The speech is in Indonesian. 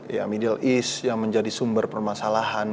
ya middle east yang menjadi sumber permasalahan